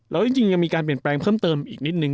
แล้วจริงยังมีการเปลี่ยนแปลงเพิ่มเติมอีกนิดนึง